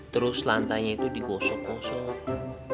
terus lantainya itu digosok gosok